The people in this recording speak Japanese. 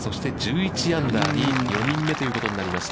そして１１アンダーに４人目ということになりました。